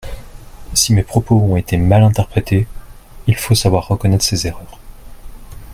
Si mes propos ont été mal interprétés, il faut savoir reconnaître ses erreurs.